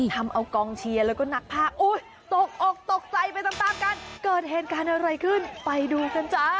ทำเอากองเชียร์แล้วก็นักภาคอุ้ยตกอกตกใจไปตามตามกันเกิดเหตุการณ์อะไรขึ้นไปดูกันจ้า